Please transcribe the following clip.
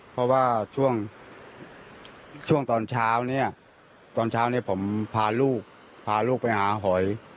เพราะว่าช่วงตอนเช้าผมพาลูกไปหาหอย